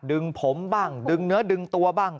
ดึงผมบ้างดึงเนื้อดึงตัวบ้าง